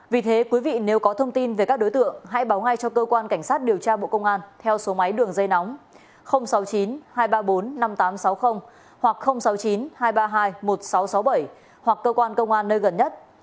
vì thế quý vị nếu có thông tin về các đối tượng hãy báo ngay cho cơ quan cảnh sát điều tra bộ công an theo số máy đường dây nóng sáu mươi chín hai trăm ba mươi bốn năm nghìn tám trăm sáu mươi hoặc sáu mươi chín hai trăm ba mươi hai một nghìn sáu trăm sáu mươi bảy hoặc cơ quan công an nơi gần nhất